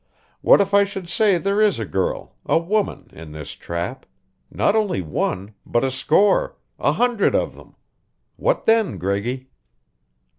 "What if I should say there is a girl a woman in this trap not only one, but a score, a hundred of them? What then, Greggy?"